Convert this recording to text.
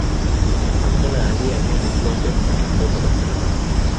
Hakuna aliyeamini kuwa Pep ataondoka Barcelona